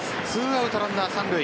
２アウトランナー三塁。